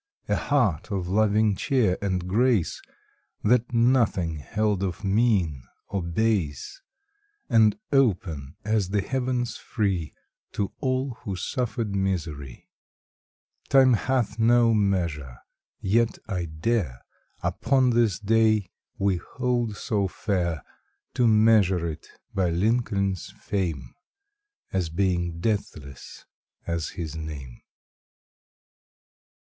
A heart of loving cheer and grace That nothing held of mean or base, And open as the heavens free To all who suffered misery. February Twelfth Time hath no measure, yet I dare Upon this day we hold so fair To measure it by Lincoln s fame As being deathless as his name!